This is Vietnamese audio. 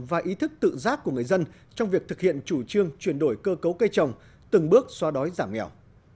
và ý thức tự giác của người dân trong việc thực hiện chủ trương chuyển đổi cơ cấu cây trồng từng bước xóa đói giảm nghèo